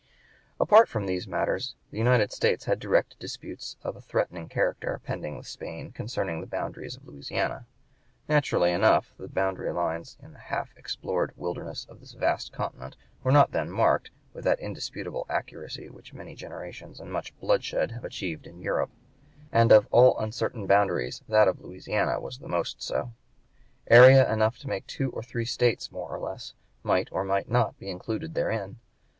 Apart from these matters the United States had direct disputes of a threatening character pending with Spain concerning the boundaries of Louisiana. Naturally enough boundary lines in the half explored (p. 110) wilderness of this vast continent were not then marked with that indisputable accuracy which many generations and much bloodshed had achieved in Europe; and of all uncertain boundaries that of Louisiana was the most so. Area enough to make two or three States, more or less, might or might not be included therein.